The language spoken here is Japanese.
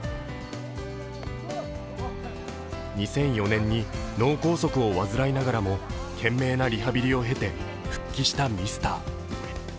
２００４年に脳梗塞を患いながらも懸命なリハビリを経て復帰したミスター。